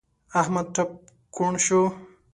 احمد ټپ کوڼ شو.